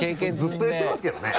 ずっと言ってますけどね。